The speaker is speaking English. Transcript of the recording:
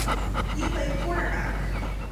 He played cornerback.